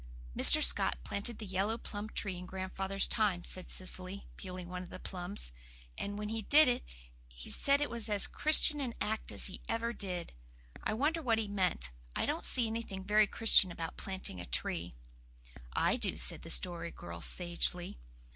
"Mr. Scott planted the yellow plum tree in Grandfather's time," said Cecily, peeling one of the plums, "and when he did it he said it was as Christian an act as he ever did. I wonder what he meant. I don't see anything very Christian about planting a tree." "I do," said the Story Girl sagely.